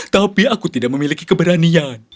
tapi aku tidak memiliki keberanian